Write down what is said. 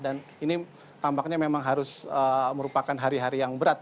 dan ini tampaknya memang harus merupakan hari hari yang berat